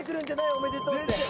おめでとうって。